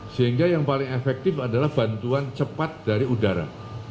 sehingga yang paling efektif adalah bantuan cepat dari udara